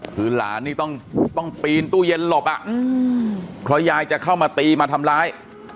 คือหลานนี่ต้องปีนตู้เย็นหลบอ่ะเพราะยายจะเข้ามาตีมาทำร้าย